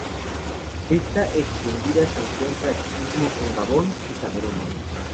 Esta extendida se encuentra asimismo en Gabón y Camerún.